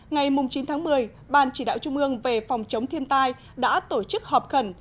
ngày chín tháng một mươi ban chỉ đạo trung ương về phòng chống thiên tai đã tổ chức họp khẩn